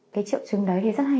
cái triệu chứng đấy thì rất là nhiều